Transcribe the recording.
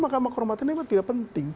makam kehormatan dewa itu tidak penting